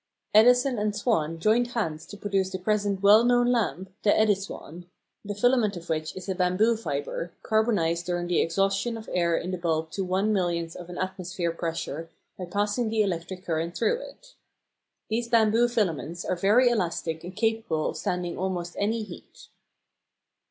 Edison and Swan joined hands to produce the present well known lamp, "The Ediswan," the filament of which is a bamboo fibre, carbonised during the exhaustion of air in the bulb to one millionth of an atmosphere pressure by passing the electric current through it. These bamboo filaments are very elastic and capable of standing almost any heat.